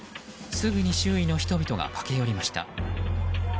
すぐに周囲の人々が駆け寄りました。